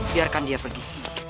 biarkan dia pergi